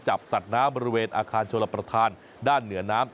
จับสัตว์น้ำบริเวณอาคารชลประธานด้านเหนือน้ำ